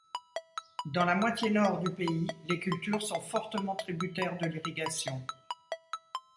Dans la moitié nord du pays, les cultures sont fortement tributaires de l'irrigation.